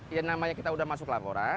ya namanya kita sudah masuk laporan